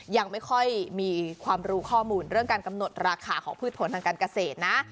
ยังไม่ค่อยมีความรู้ข้อมูลเรื่องการกำหนดราคาของพืชผลทางการเกษตรนะ